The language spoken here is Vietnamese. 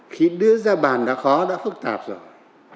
khi đưa ra bàn đã khó đã phức tạp rồi